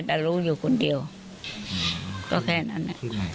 แต่รู้อยู่คนเดียวก็แค่นั้น